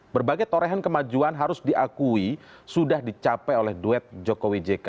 berbagai torehan kemajuan harus diakui sudah dicapai oleh duet jokowi jk